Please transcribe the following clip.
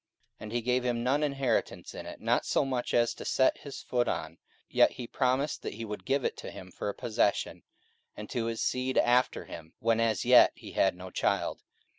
44:007:005 And he gave him none inheritance in it, no, not so much as to set his foot on: yet he promised that he would give it to him for a possession, and to his seed after him, when as yet he had no child.